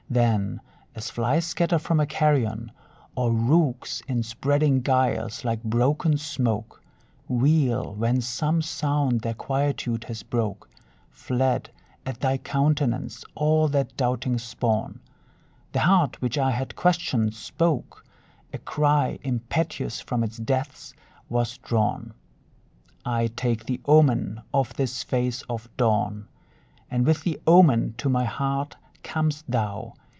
Then, as flies scatter from a carrion, Or rooks in spreading gyres like broken smoke Wheel, when some sound their quietude has broke, Fled, at thy countenance, all that doubting spawn: The heart which I had questioned spoke, A cry impetuous from its depths was drawn, "I take the omen of this face of dawn!" And with the omen to my heart cam'st thou.